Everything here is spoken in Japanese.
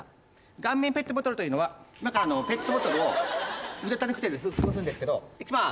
顔面ペットボトルというのは今からあのペットボトルを腕立て伏せで潰すんですけどいきます